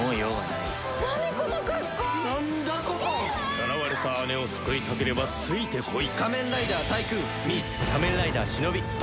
さらわれた姉を救いたければついてこい。